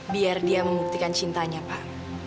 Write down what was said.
biar dia membuktikan cintanya pak